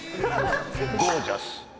ゴー☆ジャス。